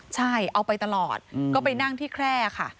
ใช่เอาไปตลอดก็ไปนั่งที่แคร่ค่ะ